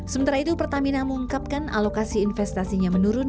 sementara itu pertamina mengungkapkan alokasi investasinya menurun